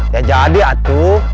ya jadi atu